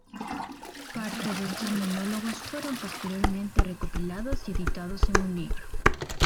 Parte de estos monólogos fueron posteriormente recopilados y editados en un libro.